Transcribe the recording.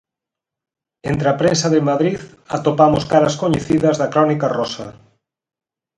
Entre a prensa de Madrid atopamos caras coñecidas da crónica rosa.